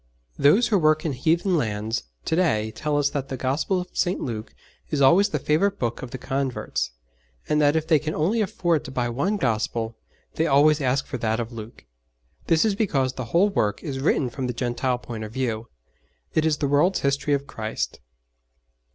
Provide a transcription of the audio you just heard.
Those who work in heathen lands to day tell us that the Gospel of St. Luke is always the favourite book of the converts, and that if they can only afford to buy one Gospel they always ask for that of Luke. This is because the whole work is written from the Gentile point of view it is the world's history of Christ.